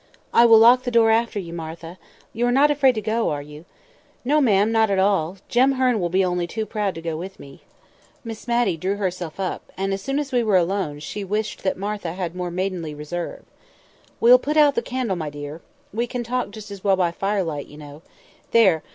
"I will lock the door after you, Martha. You are not afraid to go, are you?" "No, ma'am, not at all; Jem Hearn will be only too proud to go with me." Miss Matty drew herself up, and as soon as we were alone, she wished that Martha had more maidenly reserve. "We'll put out the candle, my dear. We can talk just as well by firelight, you know. There!